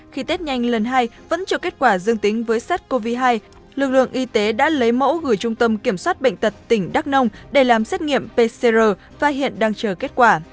khi tết nhanh lần hai vẫn cho kết quả dương tính với sars cov hai lực lượng y tế đã lấy mẫu gửi trung tâm kiểm soát bệnh tật tỉnh đắk nông để làm xét nghiệm pcr và hiện đang chờ kết quả